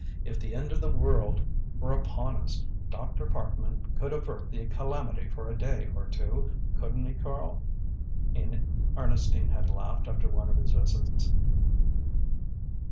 "If the end of the world were upon us, Dr. Parkman could avert the calamity for a day or two couldn't he, Karl?" Ernestine had laughed after one of his visits.